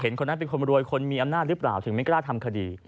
คนนั้นเป็นคนรวยคนมีอำนาจหรือเปล่าถึงไม่กล้าทำคดี